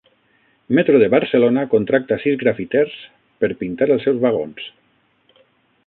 Metro de Barcelona contracta sis grafiters per pintar els seus vagons